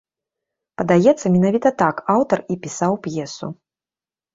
Падаецца, менавіта так аўтар і пісаў п'есу.